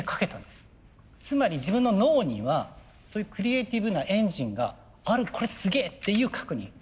つまり自分の脳にはそういうクリエーティブなエンジンがあるこれすげえっていう確認。